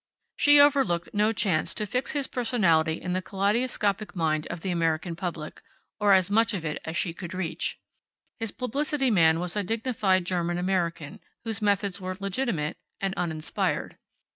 She overlooked no chance to fix his personality in the kaleidoscopic mind of the American public or as much of it as she could reach. His publicity man was a dignified German American whose methods were legitimate and uninspired.